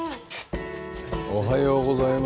おはようございます。